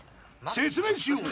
説明しよう！